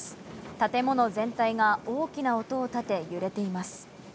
建物全体が大きな音を立て揺れています。